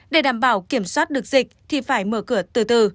để đảm bảo kiểm soát được dịch thì phải mở cửa từ từ